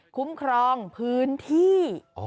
คุ้มครองพื้นที่